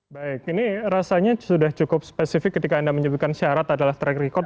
baik ini rasanya sudah cukup spesifik ketika anda menyebutkan syarat adalah track record